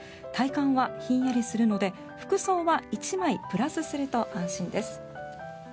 体感はひんやりするので、服装は１枚プラスすると安心です。